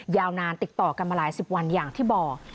ยาวนานติดต่อกันมาหลายสิบวันอย่างที่บอก